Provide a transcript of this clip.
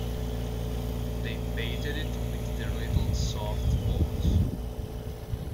They patted it with their little soft paws.